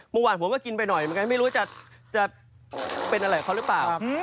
เมื่อวานผมก็กินไปหน่อยไม่รู้ว่าจะเป็นอะไรของเขาหรือเปล่า